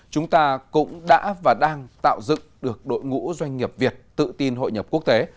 chúng ta cũng đã và đang tạo dựng được đội ngũ doanh nghiệp việt tự tin hội nhập quốc tế